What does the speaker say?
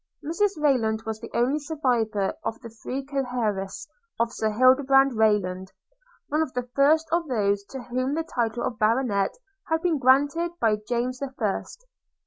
Mrs Rayland was the only survivor of the three co heiresses of Sir Hildebrand Rayland; one of the first of those to whom the title of Baronet had been granted by James the First.